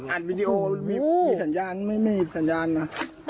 วิดีโอมีสัญญาณไม่มีสัญญาณนะ